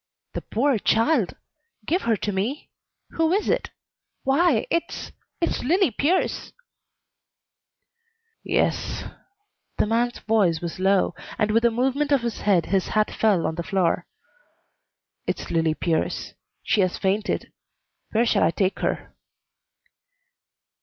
"The poor child! Give her to me. Who is it? Why, it's it's Lillie Pierce!" "Yes." The man's voice was low, and with a movement of his head his hat fell on the floor. "It's Lillie Pierce. She has fainted. Where shall I take her?"